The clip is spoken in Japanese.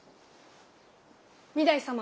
・御台様。